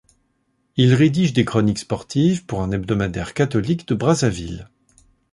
Il rédige des chroniques sportives pour un hebdomadaire catholique de Brazzaville.